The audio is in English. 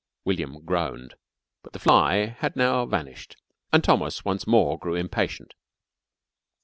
William groaned. But the fly had now vanished, and Thomas once more grew impatient.